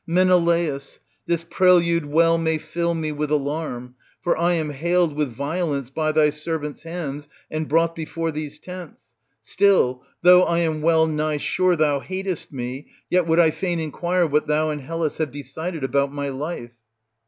Menelaus! this prelude well may fill me with alarm ; for I am haled with violence by thy servants* hands and brought before these tents. Still, though I am well nigh sure thouhatest me, yet would I fain inquire what thou and Hellas have decided about my life.